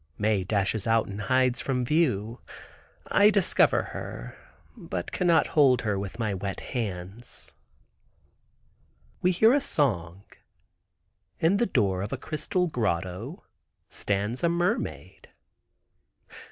Mae dashes out and hides from view. I discover her, but cannot hold her with my wet hands. We hear a song. In the door of a crystal grotto stands a mermaid.